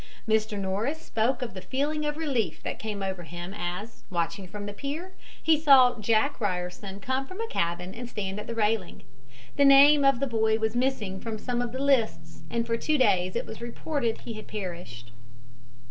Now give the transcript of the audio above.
Mr. Norris spoke of the feeling of relief that came over him as, watching from the pier, he saw "Jack" Ryerson come from a cabin and stand at the railing. The name of the boy was missing from some of the lists and for two days it was reported that he had perished.